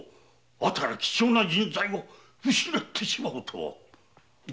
あたら貴重な人材を失ってしまうとは。